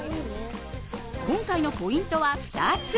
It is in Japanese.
今回のポイントは２つ。